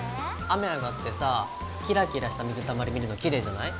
雨上がってさキラキラした水たまり見るのきれいじゃない？